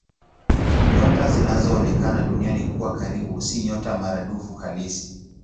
Nyota zinazoonekana Duniani kuwa karibu si nyota maradufu halisi.